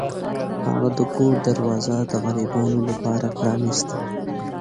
هغه د کور دروازه د غریبانو لپاره پرانیسته.